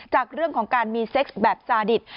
จากเรื่องของการมีเซ็กซ์แบบจาดิต